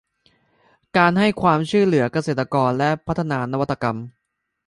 การให้ความช่วยเหลือเกษตรกรและพัฒนานวัตกรรม